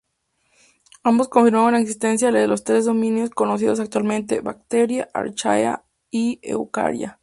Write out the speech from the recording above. Ambos confirmaron la existencia de los tres dominios conocidos actualmente: "Bacteria", "Archaea" y "Eukarya".